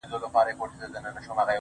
خير دی، زه داسي یم، چي داسي نه وم.